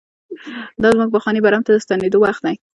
دا زموږ پخواني برم ته د ستنېدو وخت دی.